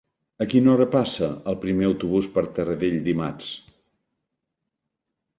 A quina hora passa el primer autobús per Taradell dimarts?